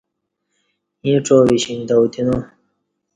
یں ڄاوی شنگ تہ اوتینا